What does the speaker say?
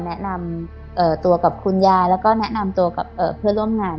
แนะนำตัวกับคุณยายแล้วก็แนะนำตัวกับเพื่อนร่วมงาน